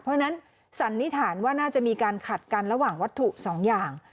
เพราะฉะนั้นสันนิษฐานว่าน่าจะมีการขัดกันระหว่างวัตถุสองอย่าง